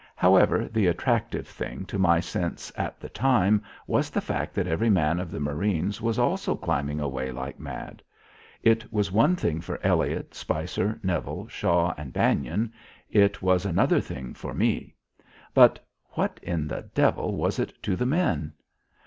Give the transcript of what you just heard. However, the attractive thing to my sense at the time was the fact that every man of the marines was also climbing away like mad. It was one thing for Elliott, Spicer, Neville, Shaw and Bannon; it was another thing for me; but what in the devil was it to the men?